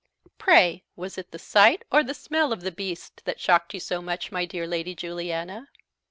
Pray, was it the sight or the smell of the beast that shocked you so much, my dear Lady Juliana?